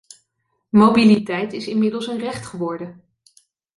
Mobiliteit is inmiddels een recht geworden.